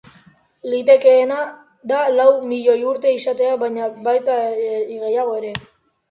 Litekeena da lau milioi urte izatea baina baita gehiago ere.